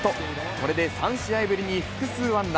これで３試合ぶりに複数安打。